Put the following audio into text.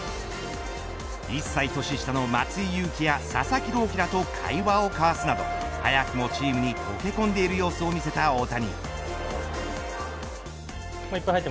１歳年下の松井裕樹や佐々木朗希らと会話を交わすなど早くもチームに溶け込んでいる様子を見せた大谷。